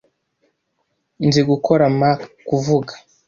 Nzi gukora Mack kuvuga.